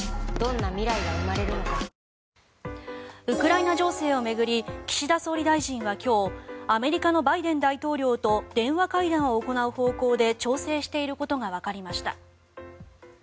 ウクライナ情勢を巡り岸田総理大臣は今日アメリカのバイデン大統領と電話会談を行う方向で調整していることがわかりました。